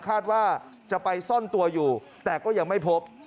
คาดว่าจะไปซ่อนตัวอยู่แต่ก็ยังไม่พบ